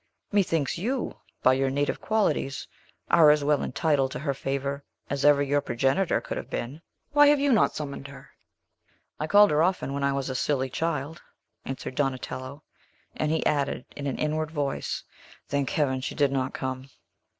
Methinks you, by your native qualities, are as well entitled to her favor as ever your progenitor could have been. Why have you not summoned her?" "I called her often when I was a silly child," answered Donatello; and he added, in an inward voice, "Thank Heaven, she did not come!"